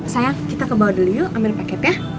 sayang kita ke bawah dulu yuk ambil paketnya